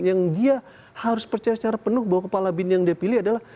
yang dia harus percaya secara penuh bahwa kepala bin yang dia pilih adalah